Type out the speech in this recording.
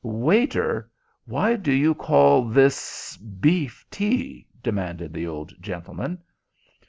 "Waiter, why do you call this beef tea?" demanded the old gentleman.